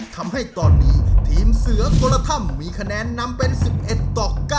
ทำให้ตอนนี้ทีมเสือคนละถ้ำมีคะแนนนำเป็น๑๑ต่อ๙